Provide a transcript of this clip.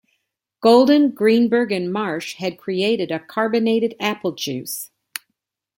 Golden, Greenberg and Marsh had created a carbonated apple juice.